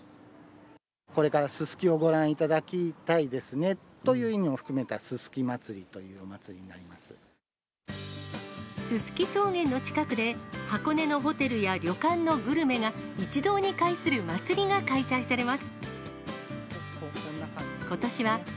これから、すすきをご覧いただきたいですねという意味も含めたすすき祭りとすすき草原の近くで、箱根のホテルや旅館のグルメが一堂に会する祭りが開催されます。